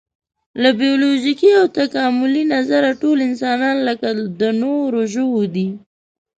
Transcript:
له فزیولوژیکي او تکاملي نظره ټول انسانان لکه د نورو ژوو دي.